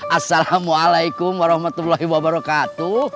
assalamualaikum warahmatullahi wabarakatuh